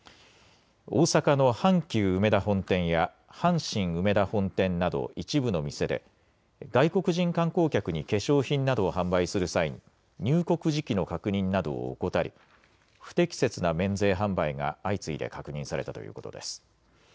大阪の阪急うめだ本店や阪神梅田本店など一部の店で外国人観光客に化粧品などを販売する際に入国時期の確認などを怠り不適切な免税販売が相次いで確認されたということです。